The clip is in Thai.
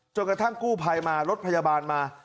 กระทั่งกู้ภัยมารถพยาบาลมา